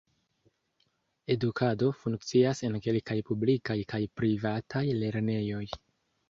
Edukado funkcias en kelkaj publikaj kaj privataj lernejoj.